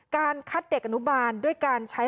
การคัดเด็กอนุบาลด้วยการใช้